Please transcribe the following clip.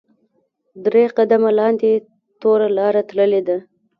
درې قدمه لاندې توره لاره تللې ده.